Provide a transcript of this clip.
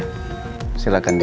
tante ini adalah video dari nino